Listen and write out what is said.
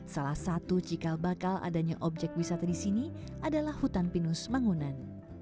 salah satu cikal bakal adanya objek wisata di sini adalah hutan pinus mangunan